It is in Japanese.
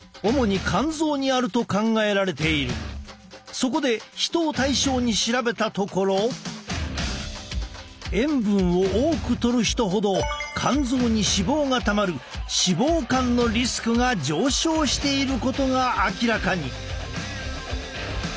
そこで人を対象に調べたところ塩分を多くとる人ほど肝臓に脂肪がたまる脂肪肝のリスクが上昇していることが明らかに。